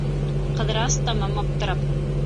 Ҡыҙырас, тамам аптырап: